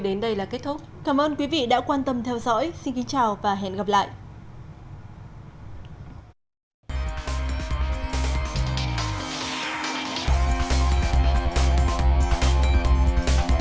đến đây là kết thúc cảm ơn quý vị đã quan tâm theo dõi